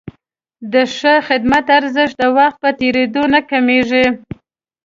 د ښه خدمت ارزښت د وخت په تېرېدو نه کمېږي.